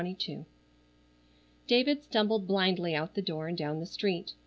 CHAPTER XXII David stumbled blindly out the door and down the street.